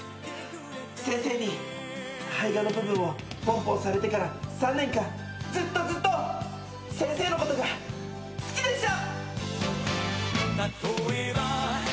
先生に胚芽の部分をポンポンされてから３年間ずっとずっと先生のことが好きでした！